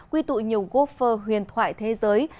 quy tụi nhiều gốc phơ huyền thoại thế giới